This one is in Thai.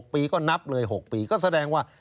ปีก็นับเลย๖ปีก็แสดงว่า